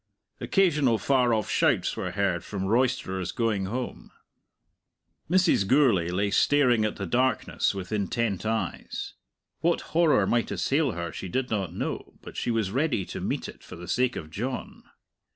Occasional far off shouts were heard from roisterers going home. Mrs. Gourlay lay staring at the darkness with intent eyes. What horror might assail her she did not know, but she was ready to meet it for the sake of John.